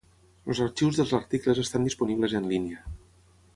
Els arxius dels articles estan disponibles en línia.